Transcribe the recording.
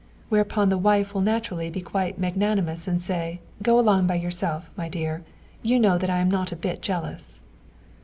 Whereupon the wife will naturally be quite magnanimous and say: "Go along by yourself, my dear; you know that I am not a bit jealous."